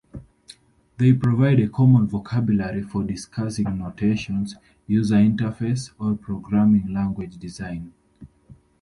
They provide a common vocabulary for discussing notation, user interface or programming language design.